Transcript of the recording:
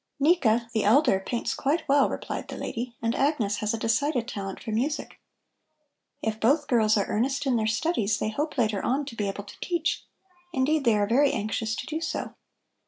"Nika, the elder, paints quite well," replied the lady, "and Agnes has a decided talent for music. If both girls are earnest in their studies, they hope later on to be able to teach; indeed, they are very anxious to do so."